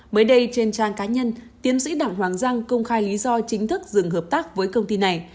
mới đây trên trang cá nhân tiến sĩ đảng hoàng giang công khai lý do chính thức dừng hợp tác với công ty này